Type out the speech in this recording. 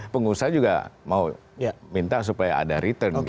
pengusaha juga mau minta supaya ada return